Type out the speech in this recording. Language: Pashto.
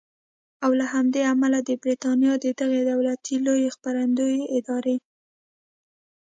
او له همدې امله د بریټانیا د دغې دولتي لویې خپرندویې ادارې